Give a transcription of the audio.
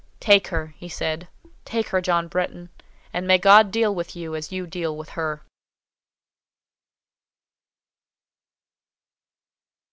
"Take her," he said. "Take her, John Bretton: and may God deal with you as you deal with her!"